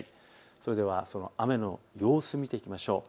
それではその雨の様子を見ていきましょう。